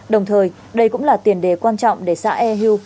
đồng thời đây cũng là tiền đề quan trọng để xã e hu